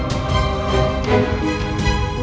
aku akan merahkan pasukku